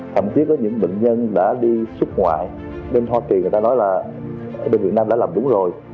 thậm chí có những bệnh nhân đã đi xuất ngoại bên hoa kỳ người ta nói là bên việt nam đã làm đúng rồi